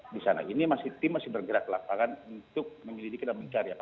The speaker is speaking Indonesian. di sana ini masih tim masih bergerak ke lapangan untuk menyelidiki dan mencari